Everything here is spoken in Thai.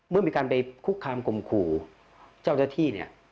เมื่อมีการไปคุกคามข่มขู่เจ้าหน้าที่เนี่ย